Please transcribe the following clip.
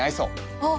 あっ